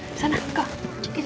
aku jalan pulang cepet ya oma